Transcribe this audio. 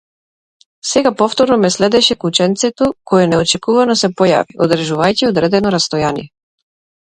Сега повторно ме следеше кученцето, кое неочекувано се појави, одржувајќи одредено растојание.